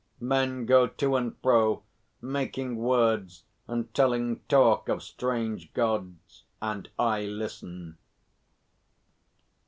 Men go to and fro, making words and telling talk of strange Gods, and I listen.